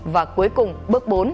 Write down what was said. và cuối cùng bước bốn